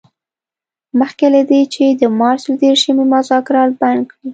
مخکې له دې چې د مارچ له دیرشمې مذاکرات بند کړي.